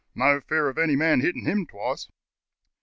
No fear of any man hitting him twice.